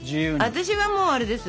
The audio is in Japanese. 私はもうあれです。